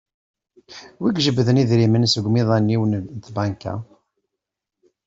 Wi ijebden idrimen seg umiḍan-iw n tbanka?